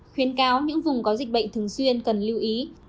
khuyến cáo những vùng có dịch bệnh thường xuyên cần lưu ý